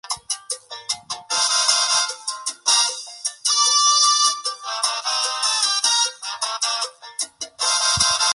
Esos principios fueron expuestos en la "Epístola" de Jovellanos.